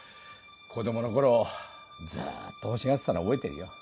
子供のころずっと欲しがってたの覚えてるよ。